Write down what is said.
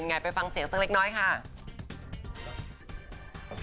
ไงไปฟังเสียงสักเล็กน้อยค่ะ